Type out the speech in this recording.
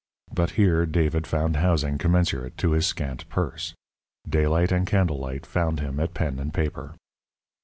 But here David found housing commensurate to his scant purse. Daylight and candlelight found him at pen and paper.